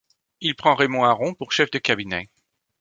Il prend Raymond Aron pour chef de cabinet.